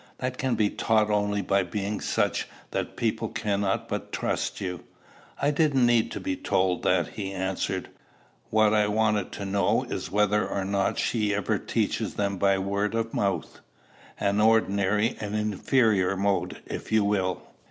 That can be taught only by being such that people cannot but trust you." "I didn't need to be told that," he answered. "What I want to know is, whether or not she ever teaches them by word of mouth, an ordinary and inferior mode, if you will."